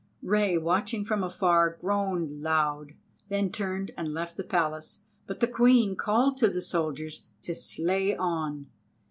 Rei, watching from afar, groaned aloud, then turned and left the Palace, but the Queen called to the soldiers to slay on.